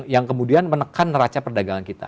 yang kemudian menekan neraca perdagangan kita